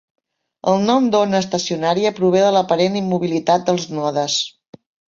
El nom d'ona estacionària prové de l'aparent immobilitat dels nodes.